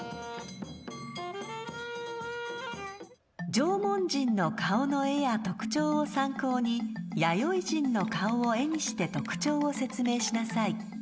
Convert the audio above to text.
縄文人の顔の絵や特徴を参考に弥生人の顔を絵にして特徴を説明しなさい。